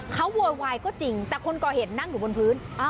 เขาโวยวายก็จริงแต่คนก่อเหตุนั่งอยู่บนพื้น